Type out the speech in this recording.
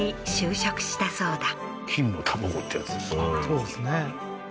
そうですね